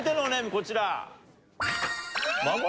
こちら。